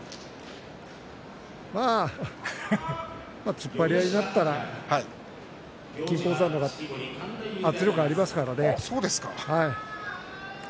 まあ突っ張り合いになったら金峰山の方が圧力がありますからね。